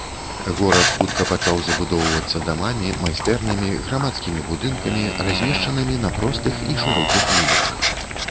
Горад хутка пачаў забудоўвацца дамамі, майстэрнямі, грамадскімі будынкамі, размешчанымі на простых і шырокіх вуліцах.